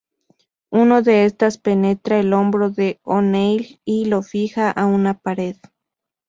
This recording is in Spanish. Uno de estas penetra el hombro de O'Neill y lo fija a una pared.